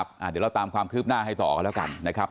เดี๋ยวเราตามความคืบหน้าให้ต่อกันแล้วกันนะครับ